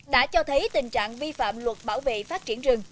đã cho thấy tình trạng vi phạm luật bảo vệ phát triển rừng